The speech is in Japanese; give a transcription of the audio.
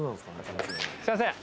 すいません。